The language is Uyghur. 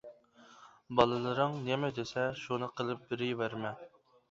بالىلىرىڭ نېمە دېسە شۇنى قىلىپ بېرىۋەرمە.